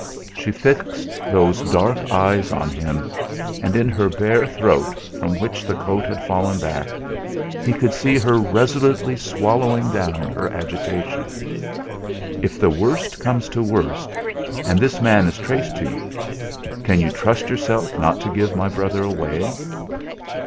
She fixed those dark eyes on him, and in her bare throat, from which the coat had fallen back, he could see her resolutely swallowing down her agitation. "If the worst comes to the worst, and this man is traced to you, can you trust yourself not to give my brother away?"